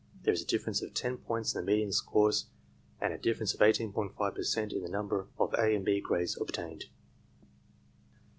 There is a difference of ten points in the median scores and a difference of 18.5 per cent in the number of A and B grades obtained.